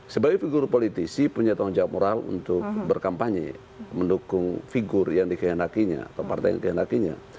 sebagai figur politisi punya tanggung jawab moral untuk berkampanye mendukung figur yang dikehendakinya atau partai yang kehendakinya